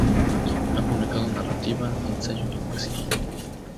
Ha publicado narrativa, ensayo y poesía.